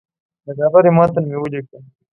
د ډبرې متن مې ولیکه.